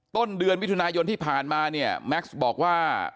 ต้นเดือนมิถุนายนที่ผ่านมาเนี่ยแม็กซ์บอกว่า